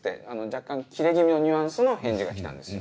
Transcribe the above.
若干キレ気味のニュアンスの返事が来たんですよ。